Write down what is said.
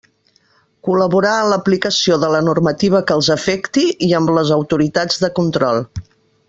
Col·laborar en l'aplicació de la normativa que els afecti i amb les autoritats de control.